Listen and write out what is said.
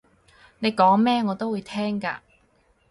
你講咩我都會聽㗎